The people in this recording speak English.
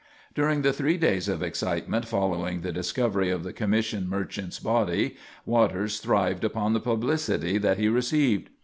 During the three days of excitement following the discovery of the commission merchant's body Waters thrived upon the publicity that he received.